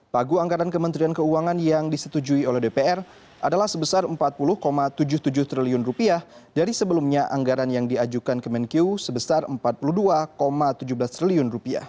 pagu anggaran kementerian keuangan yang disetujui oleh dpr adalah sebesar rp empat puluh tujuh puluh tujuh triliun dari sebelumnya anggaran yang diajukan kemenku sebesar rp empat puluh dua tujuh belas triliun